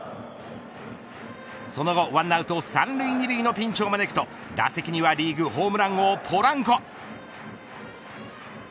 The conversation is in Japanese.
その後、１アウト３塁２塁のピンチを招くと打席にはリーグ、ホームラン王ポランコ。